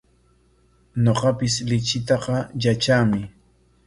Ñuqapis lichitaqa yatraami.